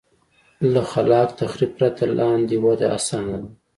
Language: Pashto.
له خلاق تخریب پرته لاندې وده اسانه ده.